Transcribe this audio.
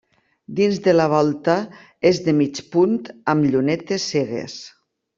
Dins de la volta és de mig punt amb llunetes cegues.